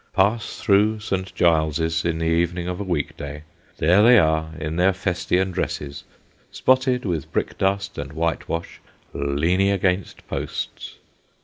Pass through St. Giles's in the evening of a week day, there they are in their fustian dresses, spotted with brick dust and white wash, leaning against posts.